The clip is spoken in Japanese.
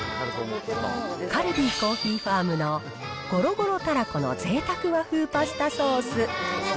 カルディコーヒーファームのゴロゴロたらこの贅沢和風パスタソース。